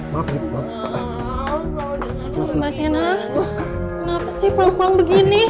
mbak sena kenapa sih pulang pulang begini